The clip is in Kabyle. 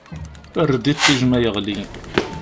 Err-d iṭij ma yeɣli!